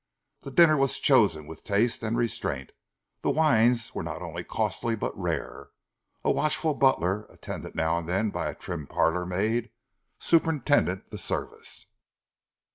The dinner was chosen with taste and restraint, the wines were not only costly but rare. A watchful butler, attended now and then by a trim parlour maid, superintended the service.